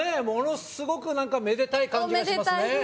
ものすごくめでたい感じがしますね。